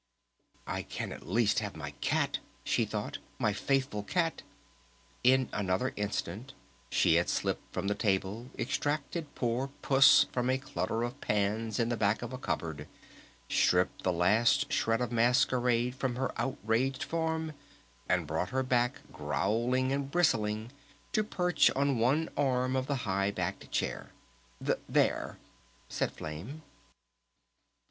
"I can at least have my cat," she thought, "my faithful cat!" In another instant she had slipped from the table, extracted poor Puss from a clutter of pans in the back of a cupboard, stripped the last shred of masquerade from her outraged form, and brought her back growling and bristling to perch on one arm of the high backed chair. "Th ere!" said Flame.